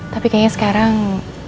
tapi kayaknya sekarang